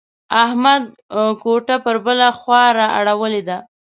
احمد کوټه پر بله خوا را اړولې ده.